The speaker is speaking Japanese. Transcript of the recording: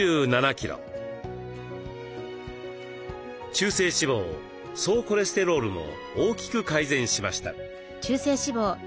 中性脂肪総コレステロールも大きく改善しました。